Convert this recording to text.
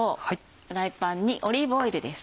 フライパンにオリーブオイルです。